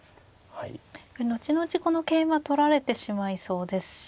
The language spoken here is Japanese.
後々この桂馬取られてしまいそうですし。